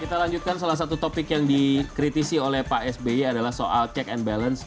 kita lanjutkan salah satu topik yang dikritisi oleh pak sby adalah soal check and balance